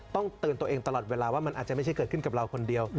ต้องเตือนตัวเองตลอดเวลาว่ามันอาจจะไม่ใช่เกิดขึ้นกับเราคนเดียว